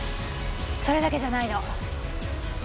それだけじゃないの。